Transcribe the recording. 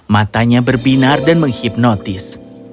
matanya berbinar dan menghipnotis